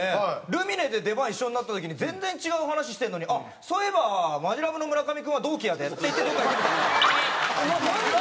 ルミネで出番一緒になった時に全然違う話してるのに「あっそういえばマヂラブの村上君は同期やで」って言ってどっか行きましたから。